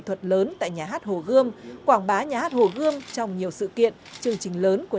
thuật lớn tại nhà hát hồ gươm quảng bá nhà hát hồ gươm trong nhiều sự kiện chương trình lớn của